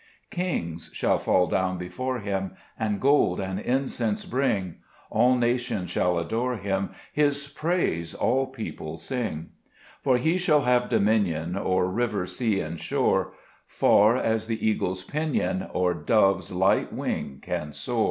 3 Kings shall fall down before Him, And gold and incense bring ; All nations shall adore Him, His praise all people sing ; For He shall have dominion O'er river, sea, and shore, Far as the eagle's pinion Or dove's light wing can soar.